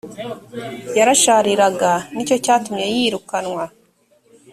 yarashariraga ni cyo cyatumye yirukanwa